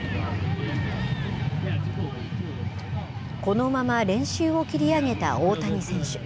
このまま練習を切り上げた大谷選手。